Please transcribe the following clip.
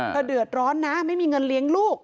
เดือดร้อนนะไม่มีเงินเลี้ยงลูก